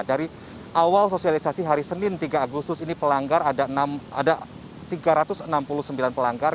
dari awal sosialisasi hari senin tiga agustus ini pelanggar ada tiga ratus enam puluh sembilan pelanggar